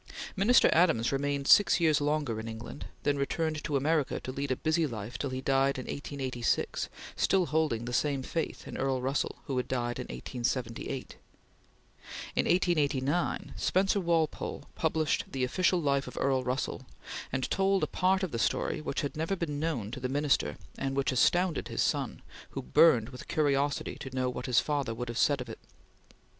Minister Adams remained six years longer in England; then returned to America to lead a busy life till he died in 1886 still holding the same faith in Earl Russell, who had died in 1878. In 1889, Spencer Walpole published the official life of Earl Russell, and told a part of the story which had never been known to the Minister and which astounded his son, who burned with curiosity to know what his father would have said of it.